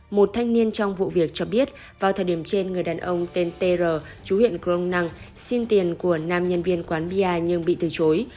một thanh niên trong vụ việc cho biết vào thời điểm trên người đàn ông tên t r chú huyện cờ đông năng xin tiền của nam nhân viên quán bia nhưng bị từ chối